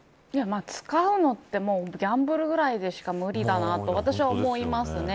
使うのってギャンブルぐらいでしか無理だなと私は思いますね。